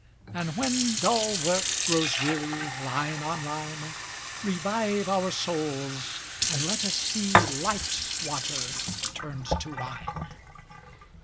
and when dull work Grows weary, line on line, Revive our souls, and let us see Life's water turned to wine.